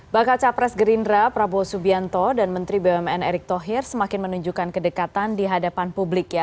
bakal capres gerindra prabowo subianto dan menteri bumn erick thohir semakin menunjukkan kedekatan di hadapan publik ya